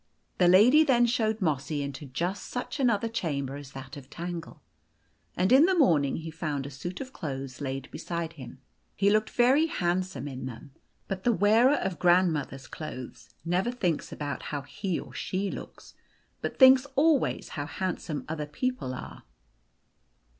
The lady then showed Mossy into just such another chamber as that of Tangle ; and in the morning he found a suit of clothes laid beside him. He looked very handsome in them. But the wearer of Grand mother's clothes never thinks about how he or she looks, but thinks always how handsome other people are.